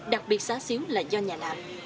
đặc biệt xá xíu là do nhà làm